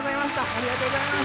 ありがとうございます。